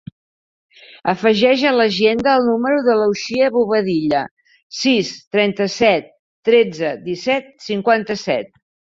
Afegeix a l'agenda el número de l'Uxia Bobadilla: sis, trenta-set, tretze, disset, cinquanta-set.